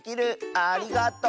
ありがとう。